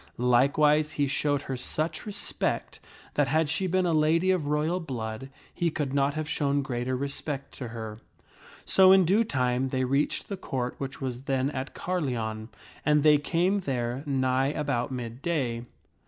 Likewise he showed her such respect that had she been a lady of royal blood, he could not have shown greater respect to her. So in due time they reached the Court, which was then at Carleon. And they came there nigh about mid day.